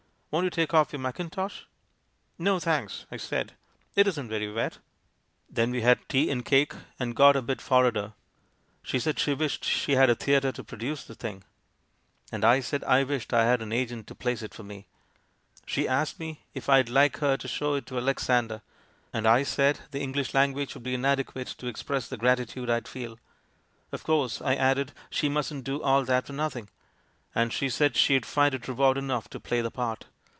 'Won't you take off your mack intosh?' " 'No, thanks,' I said; 'it isn't very wet.' "Then we had tea and cake, and got a bit for FRANKENSTEIN II 59 rader. She said she wished she had a theatre to produce the thing, and I said I wished I had an agent to place it for me. She asked me if I'd like her to show it to Alexander, and I said the Eng lish language would be inadequate to express the gratitude I'd feel. Of course, I added, she mustn't do all that for nothing, and she said she'd find it reward enough to play the part.